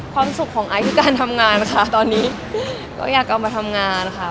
ความสุขของไอซ์คือการทำงานค่ะตอนนี้ก็อยากกลับมาทำงานค่ะ